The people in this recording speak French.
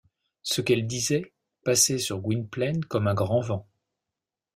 Ce qu’elle disait passait sur Gwynplaine comme un grand vent.